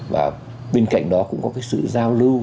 và bên cạnh đó cũng có cái sự giao lưu